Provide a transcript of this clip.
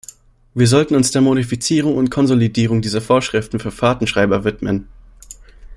Wir sollten uns der Modifizierung und Konsolidierung dieser Vorschriften für Fahrtenschreiber widmen.